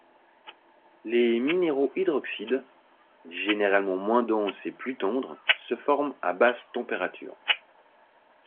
Les minéraux hydroxydes, généralement moins denses et plus tendres, se forment à basses températures.